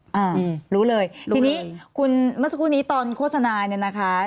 อืมรู้เลยทีนี้คุณเมื่อสักครู่นี้ตอนโฆษณาเนี่ยนะคะ